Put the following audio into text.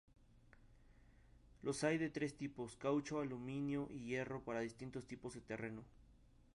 Los hay de tres tipos: caucho, aluminio y hierro para distintos tipos de terreno.